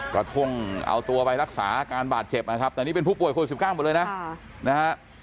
กระทุ่งเอาตัวไปรักษาการบาดเจ็บนะครับแต่นี่เป็นผู้ป่วยคนสิบก้านหมดเลยนะ